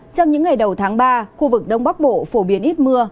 trong những ngày đầu tháng ba khu vực đông bắc bộ phổ biến ít mưa